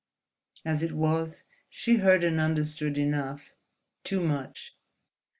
As it was, she heard and understood enough, too much.